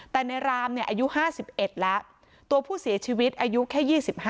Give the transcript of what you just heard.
แต่ในรามอายุ๕๑แล้วตัวผู้เสียชีวิตอายุแค่๒๕